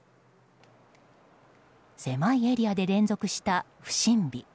狭いエリアで連続した不審火。